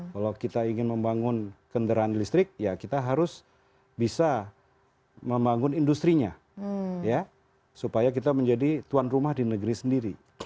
kalau kita ingin membangun kendaraan listrik ya kita harus bisa membangun industri nya supaya kita menjadi tuan rumah di negeri sendiri